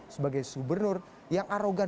sebagai gubernur yang arogan